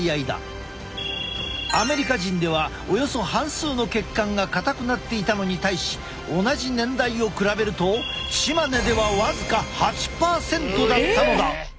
アメリカ人ではおよそ半数の血管が硬くなっていたのに対し同じ年代を比べるとチマネでは僅か８％だったのだ。